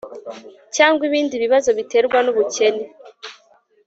cyangwa ibindi bibazo biterwa n'ubukene